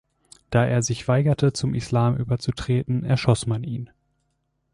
Da er sich weigerte zum Islam überzutreten, erschoss man ihn.